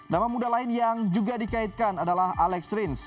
nama muda lain yang juga dikaitkan adalah alex rins